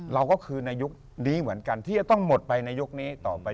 เราก็คือในยุคนี้เหมือนกันที่จะต้องหมดไปในยุคนี้ต่อไป